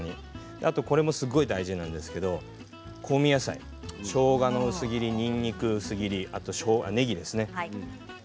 あとこれもすごい大事なんですけど、香味野菜しょうがの薄切り、にんにく薄切りあと、ねぎですね